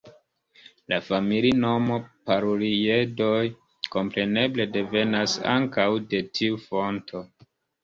La familinomo, Paruliedoj, kompreneble devenas ankaŭ de tiu fonto.